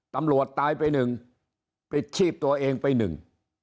ตำรวจตายไปหนึ่งปฏิชีพตัวเองไปหนึ่ง